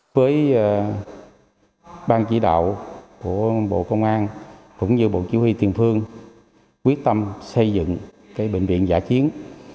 với bang chỉ đạo của bộ công an cũng như bộ chỉ huy tiền phương quyết tâm xây dựng bệnh viện giả chiến